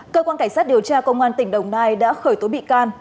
cơ quan cảnh sát điều tra công an tỉnh đồng nai đã khởi tố bị can